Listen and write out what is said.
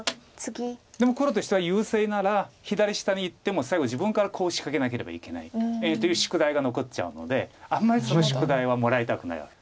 でも黒としては優勢なら左下にいっても最後自分からコウ仕掛けなければいけないという宿題が残っちゃうのであんまり宿題はもらいたくない。